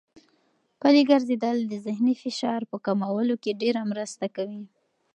پلي ګرځېدل د ذهني فشار په کمولو کې ډېره مرسته کوي.